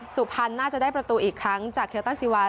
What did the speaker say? ศุภัณฑ์น่าจะได้ประตูอีกครั้งจากเคียวตั้งสิวา